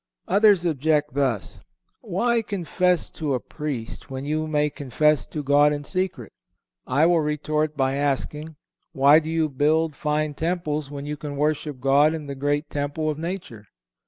(462) Others object thus: Why confess to a Priest, when you may confess to God in secret. I will retort by asking, why do you build fine temples when you can worship God in the great temple of nature?